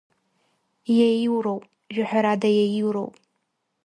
Иаиуроуп, жәаҳәарада, иаиуроуп…